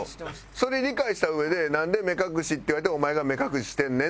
それ理解したうえでなんで「目隠し」って言われてお前が目隠ししてんねん？